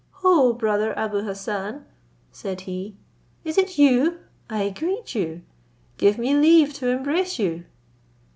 "Ho, brother Abou Hassan," said he, "is it you? I greet you! Give me leave to embrace you?"